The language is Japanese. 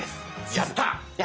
やった！